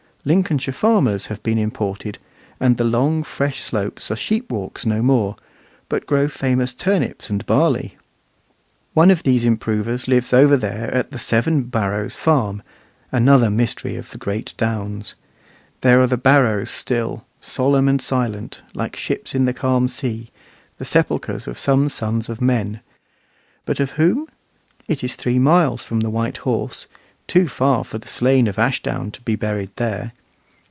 Lincolnshire farmers have been imported, and the long, fresh slopes are sheep walks no more, but grow famous turnips and barley. One of these improvers lives over there at the "Seven Barrows" farm, another mystery of the great downs. There are the barrows still, solemn and silent, like ships in the calm sea, the sepulchres of some sons of men. But of whom? It is three miles from the White Horse too far for the slain of Ashdown to be buried there.